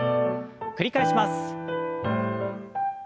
繰り返します。